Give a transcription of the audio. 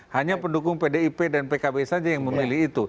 hanya pendukung pdip dan pkb saja yang memilih itu